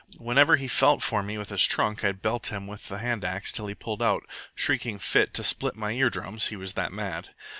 Whenever he felt for me with his trunk, I'd belt him with the hand axe till he pulled out, shrieking fit to split my ear drums, he was that mad.